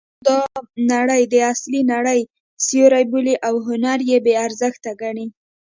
اپلاتون دا نړۍ د اصلي نړۍ سیوری بولي او هنر یې بې ارزښته ګڼي